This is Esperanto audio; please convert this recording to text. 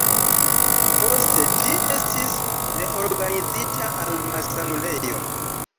Poste ĝi estis reorganizita al malsanulejo.